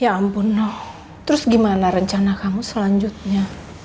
ya ampun noh terus gimana rencana kamu selanjutnya